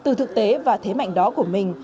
từ thực tế và thế mạnh đó của mình